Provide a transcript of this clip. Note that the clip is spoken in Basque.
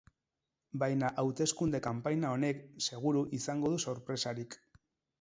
Baina hauteskunde kanpaina honek, seguru, izango du sorpresarik.